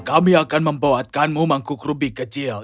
kami akan membuatkanmu mangkuk rubi kecil